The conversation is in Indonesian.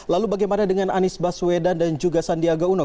lalu bagaimana dengan anies baswedan dan juga sandiaga uno